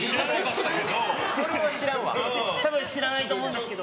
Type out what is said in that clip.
多分知らないと思うんですけど。